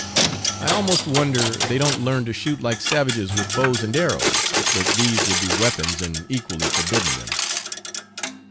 I almost wonder they don't learn to shoot like savages with bows and arrows, but these would be weapons, and equally forbidden them.